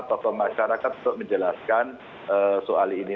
tokoh masyarakat untuk menjelaskan soal ini